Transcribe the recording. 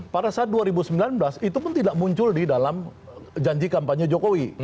pada saat dua ribu sembilan belas itu pun tidak muncul di dalam janji kampanye jokowi